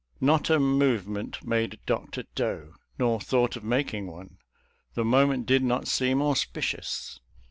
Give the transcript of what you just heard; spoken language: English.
" Not a movement made Dr. Doe, nor thought of making one — the moment did not seem; auspi cious.